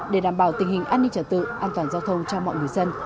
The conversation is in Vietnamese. để đảm bảo tình hình an ninh trật tự an toàn giao thông cho mọi người dân